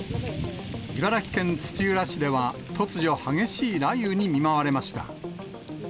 茨城県土浦市では、突如、激しい雷雨に見舞われました。